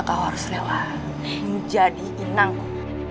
kau harus jadi ajaranku